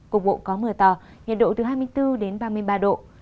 cục bộ có mưa to nhiệt độ từ hai mươi bốn đến ba mươi ba độ